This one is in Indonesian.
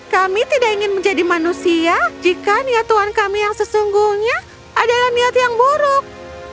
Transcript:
kami tidak ingin menjadi manusia jika niat tuhan kami yang sesungguhnya adalah niat yang buruk